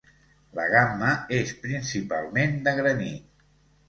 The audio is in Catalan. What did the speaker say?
La gamma és principalment de granit.